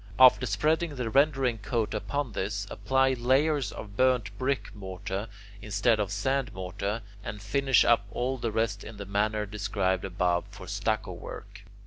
After spreading the rendering coat upon this, apply layers of burnt brick mortar instead of sand mortar, and finish up all the rest in the manner described above for stucco work.